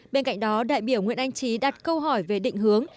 bên cạnh đó đại biểu nguyễn anh trí đặt câu hỏi về định hướng